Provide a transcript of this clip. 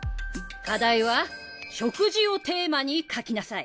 課題は「食事をテーマに描きなさい」